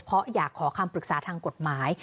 เพราะอยากขอคำปรึกษาทางกฎหมาย